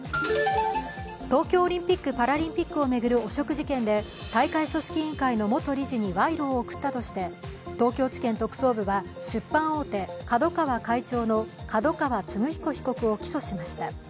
東京オリンピック・パラリンピックを巡る汚職事件で大会組織委員会の元理事に賄賂を送ったとして東京地検特捜部は出版大手・ＫＡＤＯＫＡＷＡ会長の角川歴彦被告を起訴しました。